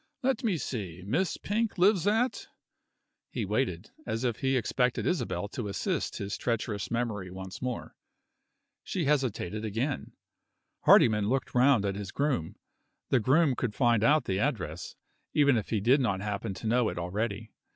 Let me see: Miss Pink lives at ?" He waited, as if he expected Isabel to assist his treacherous memory once more. She hesitated again. Hardyman looked round at his groom. The groom could find out the address, even if he did not happen to know it already.